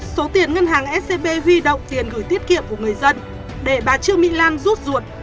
số tiền ngân hàng scb huy động tiền gửi tiết kiệm của người dân để bà trương mỹ lan rút ruột